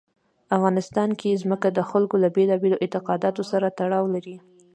افغانستان کې ځمکه د خلکو له بېلابېلو اعتقاداتو سره تړاو لري.